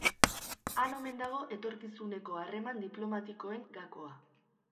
Han omen dago etorkizuneko harreman diplomatikoen gakoa.